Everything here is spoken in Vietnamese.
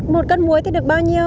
một cân muối thì được bao nhiêu